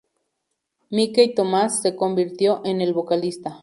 Mickey Thomas se convirtió en el vocalista.